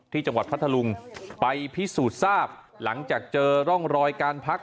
พัทธลุงไปพิสูจน์ทราบหลังจากเจอร่องรอยการพัก